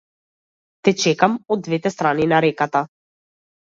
Те чекам од двете страни на реката.